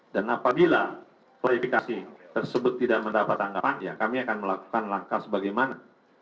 dan apabila klarifikasi tersebut tidak mendapat anggapan ya kami akan melakukan langkah sebagaimana